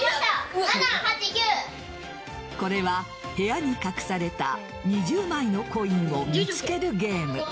これは、部屋に隠された２０枚のコインを見つけるゲーム。